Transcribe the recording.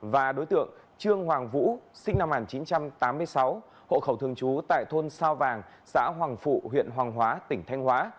và đối tượng trương hoàng vũ sinh năm một nghìn chín trăm tám mươi sáu hộ khẩu thường trú tại thôn sao vàng xã hoàng phụ huyện hoàng hóa tỉnh thanh hóa